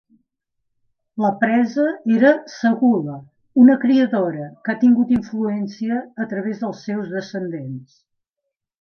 La presa era Segula, una criadora que ha tingut influència a través dels seus descendents.